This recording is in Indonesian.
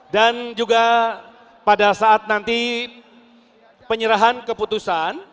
dan juga pada saat nanti penyerahan keputusan